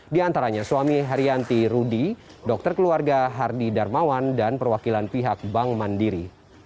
diantaranya suami herianti rudy dokter keluarga hardy darmawan dan perwakilan pihak bank mandiri